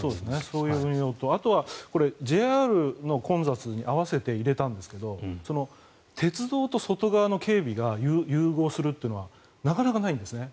そういう運用とあとはＪＲの混雑に合わせて入れたんですけど鉄道と外側の警備が融合するというのはなかなかないんですね。